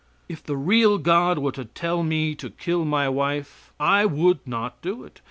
If the real God were to tell me to kill my wife, I would not do it.